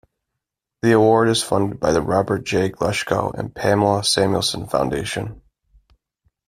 The award is funded by the Robert J. Glushko and Pamela Samuelson Foundation.